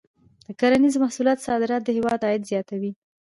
د کرنیزو محصولاتو صادرات د هېواد عاید زیاتوي.